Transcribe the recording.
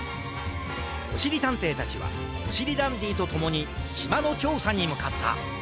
おしりたんていたちはおしりダンディとともにしまのちょうさにむかった。